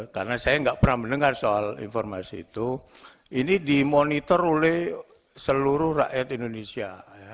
karena saya enggak pernah mendengar soal informasi itu ini dimonitor oleh seluruh rakyat indonesia